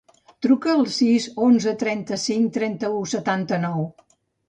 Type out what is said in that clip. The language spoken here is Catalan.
Truca al sis, onze, trenta-cinc, trenta-u, setanta-nou.